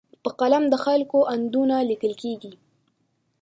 په قلم د خلکو اندونه لیکل کېږي.